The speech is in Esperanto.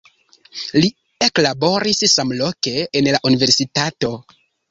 Li eklaboris samloke en la universitato.